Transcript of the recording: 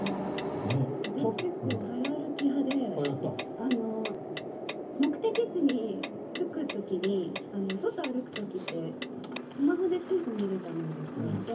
私、結構早歩き派で目的地に着く時に外歩く時ってスマホで地図を見るじゃないですか。